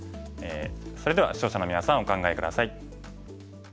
それでは視聴者のみなさんお考え下さい。